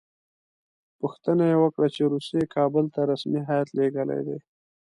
پوښتنه یې وکړه چې روسیې کابل ته رسمي هیات لېږلی دی.